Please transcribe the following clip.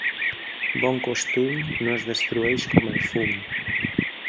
Bon costum, no es destrueix com el fum.